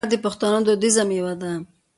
انار د پښتنو دودیزه مېوه ده.